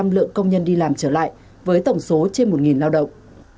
lượng công nhân đi làm trở lại với tổng số trên một lao động